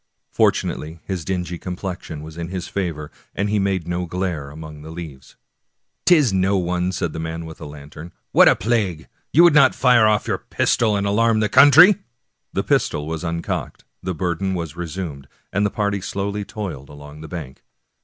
Fortunately his dingy complexion was in his favor, and made no glare among the leaves. " 'Tis no one," said the man with the lantern. " What a plague ! you would not fire ofif your pistol and alarm the country !" The pistol was uncocked, the burden was resumed, and the party slowly toiled along the bank.